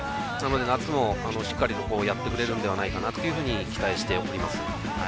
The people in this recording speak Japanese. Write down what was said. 夏もしっかりやってくれるんではないかと期待しています。